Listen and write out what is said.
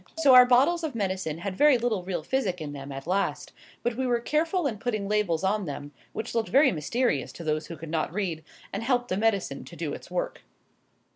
So our bottles of medicine had very little real physic in them at last; but we were careful in putting labels on them, which looked very mysterious to those who could not read, and helped the medicine to do its work.